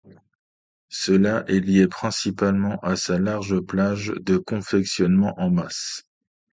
Cela est lié principalement à sa large plage de fonctionnement en masse.